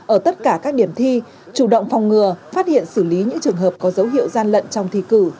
ở tất cả các điểm thi chủ động phòng ngừa phát hiện xử lý những trường hợp có dấu hiệu gian lận trong thi cử